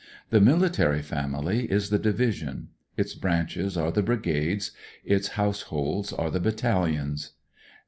The miUtary family is the division ; its branches are the brigades; its house holds are the battalions.